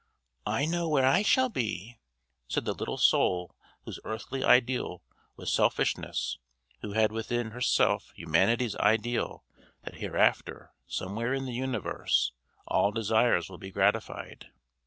"I know where I shall be," said the little soul whose earthly ideal was selfishness: who had within herself humanity's ideal that hereafter somewhere in the universe all desires will be gratified.